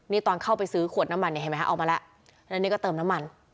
นี่ตอนเข้าไปซื้อขวดน้ำมันเนี่ยเห็นไหมฮะออกมาแล้วแล้วนี่ก็เติมน้ำมัน